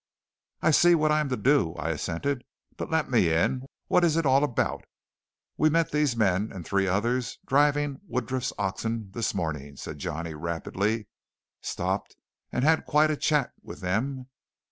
"I see what I'm to do," I assented; "but let me in! What's it all about?" "We met these men and three others driving Woodruff's oxen this morning," said Johnny rapidly. "Stopped and had quite a chat with them.